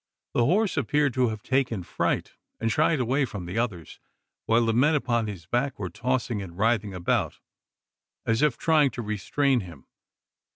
The horse appeared to have taken fright, and shied away from the others; while the men upon his back were tossing and writhing about, as if trying to restrain him!